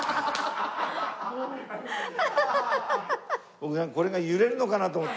僕ねこれが揺れるのかなと思って。